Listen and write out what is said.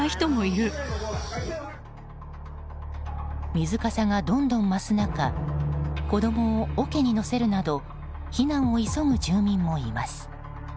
水かさがどんどん増す中子供を桶に乗せるなど避難を急ぐ住民もいます。